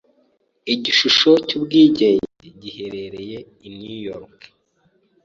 Igishusho c'Ubwigenge giherereye i New York.